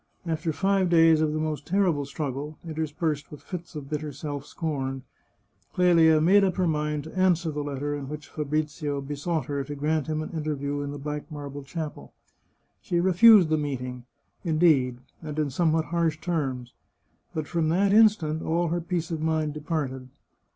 After five days of the most terrible struggle, interspersed with fits of bitter self scorn, Clelia made up her mind to answer the letter in which Fabrizio besought her to grant him an interview in the black marble chapel. She refused the meeting, indeed, and in somewhat harsh terms ; but from that instant all her peace of mind departed.